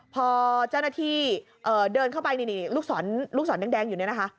พอเจ้าหน้าที่เดินเข้าไปนี่ลูกศรแดงอยู่เนี่ยนะคะ